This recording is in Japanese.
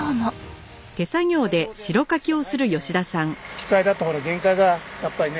機械だと限界がやっぱりね